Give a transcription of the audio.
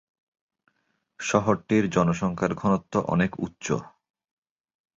শহরটির জনসংখ্যার ঘনত্ব অনেক উচ্চ।